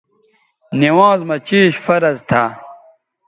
نِوانز مہ چیش فرض تھا